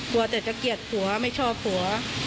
กลัวแต่จะเกลียดผัวไม่ชอบผัว